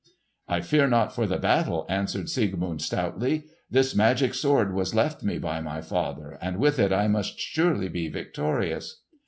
"I fear not for the battle," answered Siegmund stoutly. "This magic sword was left me by my father, and with it I must surely be victorious!"